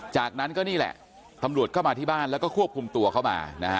จากนั้นก็นี่แหละตำรวจก็มาที่บ้านแล้วก็ควบคุมตัวเข้ามานะฮะ